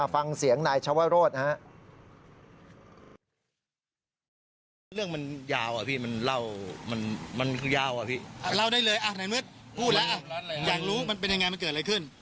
ฟังเสียงนายชวโรธนะครับ